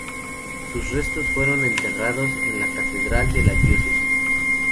Sus restos fueron enterrados en la Catedral de la diócesis.